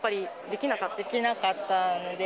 できなかったので。